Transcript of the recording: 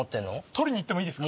取りに行ってもいいですか？